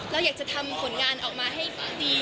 เราอยากจะทำผลงานออกมาให้ดี